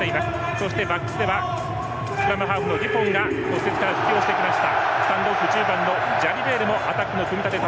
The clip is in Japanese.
そしてバックスではスクラムハーフのデュポンが骨折から復帰してきました。